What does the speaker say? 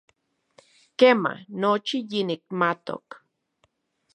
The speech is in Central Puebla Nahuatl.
Kema, nochi yinikmatok.